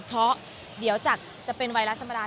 เพราะเดี๋ยวจากจะเป็นไวรัสธรรมดา